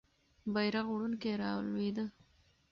بیرغ وړونکی رالوېده.